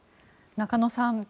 中野さん